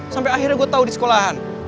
sampai akhirnya gue tau di sekolahan